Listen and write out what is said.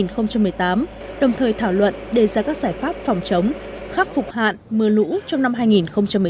đồng thời thảo luận đề ra các giải pháp phòng chống khắc phục hạn mưa lũ trong năm hai nghìn một mươi chín